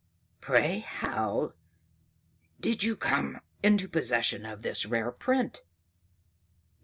"Pray how did you come into possession of this rare print?